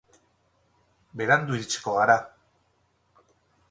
Berandu iritsiko gara.